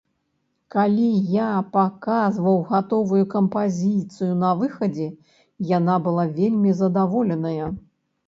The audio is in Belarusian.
Калі я паказваў гатовую кампазіцыю на выхадзе, яна была вельмі задаволеная.